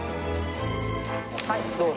はいどうぞ。